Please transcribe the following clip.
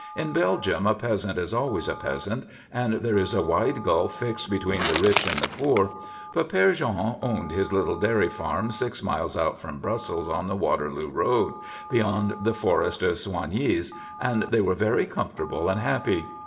In Belgium a peasant is always a peasant, and there is a wide gulf fixed between the rich and the poor, but Père Jean owned his little dairy farm six miles out from Brussels on the Waterloo Road, beyond the Forest of Soignies, and they were very comfortable and happy.